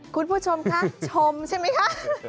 คุณผู้ชมค่ะชมใช่มั้ยคะ